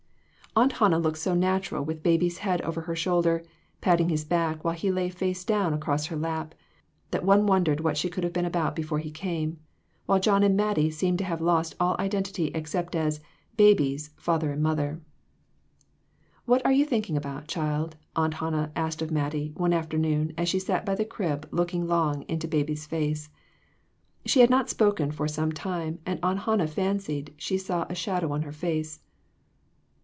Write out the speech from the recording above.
Aunt Hannah looked so natural with baby's head over her shoulder, or patting his back while he lay face downward across her lap, that one wondered what she could have been about before he came, while John and Mattie seemed to have lost all identity except as "Baby's" father and mother. "What are you thinking about, child?" Aunt Hannah asked of Mattie, one afternoon as she sat by the crib, looking long into baby's face. She had not spoken for some time, and Aunt Hannah fancied she saw a shadow on her face.